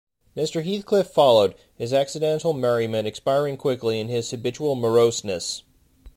Mr. Heathcliff followed, his accidental merriment expiring quickly in his habitual moroseness.